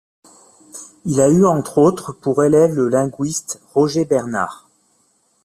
Il a eu entre autres pour élève le linguiste Roger Bernard.